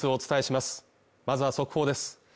まずは速報です